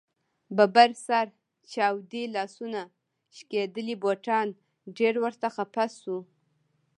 ببر سر، چاودې لاسونه ، شکېدلي بوټان ډېر ورته خفه شو.